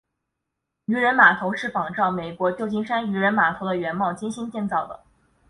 渔人码头是仿照美国旧金山渔人码头的原貌精心建造的。